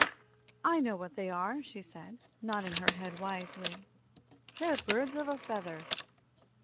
"I know what they are," she said, nodding her head wisely; "they're birds of a feather."